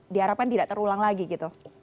diharapkan tidak terulang lagi gitu